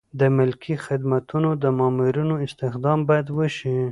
د ملکي خدمتونو د مامورینو استخدام باید وشي.